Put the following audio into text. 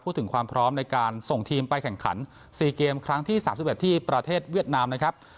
พูดถึงความพร้อมในการส่งทีมไปแข่งขัน๔เกมครั้งที่๓๑ที่ประเทศเวียดนามนะครับ